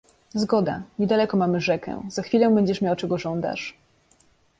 "Zgoda, niedaleko mamy rzekę, za chwilę będziesz miał czego żądasz."